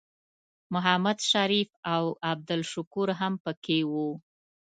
محمد شریف او عبدالشکور هم پکې وو.